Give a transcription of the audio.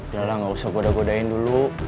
udah lah gak usah goda godain dulu